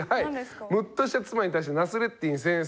ムッとした妻に対してナスレッディン先生